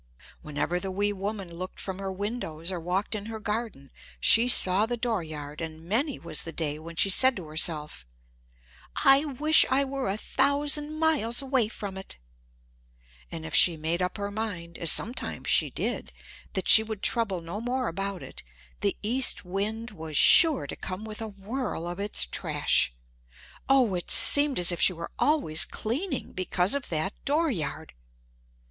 Whenever the wee woman looked from her windows or walked in her garden she saw the dooryard and many was the day when she said to herself: "I wish I were a thousand miles away from it;" and if she made up her mind, as sometimes she did, that she would trouble no more about it, the east wind was sure to come with a whirl of its trash. Oh, it seemed as if she were always cleaning because of that dooryard!